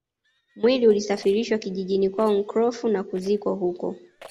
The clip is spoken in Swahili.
Mwili ulisafirishwa kijijini kwao Nkrofu na kuzikwa huko